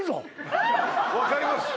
わかります